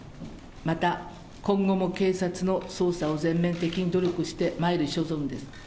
また、今後も警察の捜査を全面的に努力してまいる所存です。